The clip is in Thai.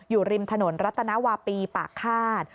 อยู่ริมถนนรัตนวาปีปากฆาต